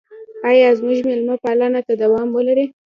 آیا زموږ میلمه پالنه به دوام ولري؟